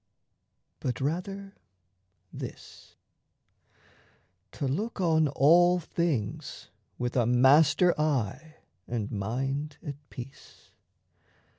But rather this: To look on all things with a master eye And mind at peace.